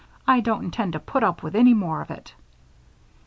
I don't intend to put up with any more of it."